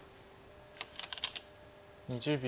２０秒。